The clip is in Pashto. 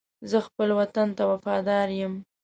زه خپل وطن ته وفادار یم.